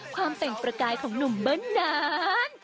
ความเป็นประกายของหนุ่มเมื่อนาน